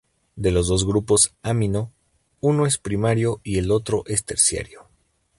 De los dos grupos amino, uno es primario y el otro es terciario.